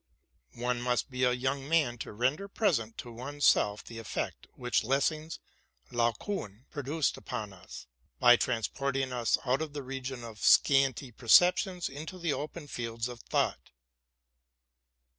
One must be a young man to render present to one's self the effect which Lessing's '' Laocoon "' produced upon us, by transporting us out of the region of scanty perceptions into the open fields of thought.